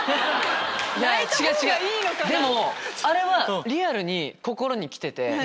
でもあれはリアルに心に来てて。